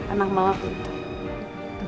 enak malah pintar